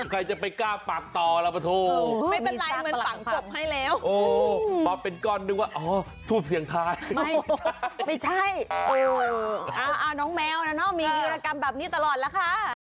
ไม่ใช่เออน้องแมวนะเนาะมีวิวอากรรมแบบนี้ตลอดแล้วค่ะ